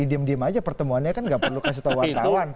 diam diam aja pertemuannya kan nggak perlu kasih tau warnawan